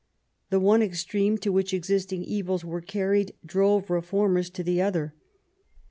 The one extreme to which existing evils were carried drove reformers to the other.